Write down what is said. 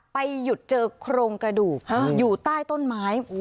ไปหยุดเจอโครงกระดูกอยู่ใต้ต้นไม้